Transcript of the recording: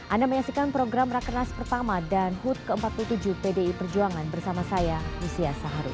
anda menyaksikan program rakernas pertama dan hud ke empat puluh tujuh pdi perjuangan bersama saya lucia saharu